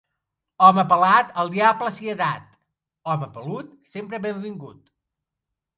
Home pelat al diable sia dat; home pelut, sempre benvingut.